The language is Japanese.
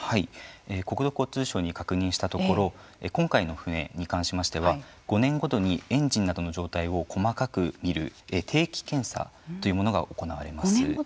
国土交通省に確認したところ今回の船に関しましては５年ごとにエンジンなどの状態を細かく見る５年ごとにあるんですね。